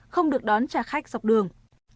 không được đón trà khách dọc đường